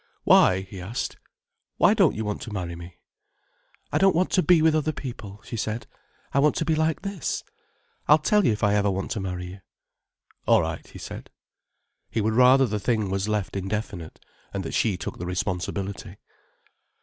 "Why?" he asked, "why don't you want to marry me?" "I don't want to be with other people," she said. "I want to be like this. I'll tell you if ever I want to marry you." "All right," he said. He would rather the thing was left indefinite, and that she took the responsibility.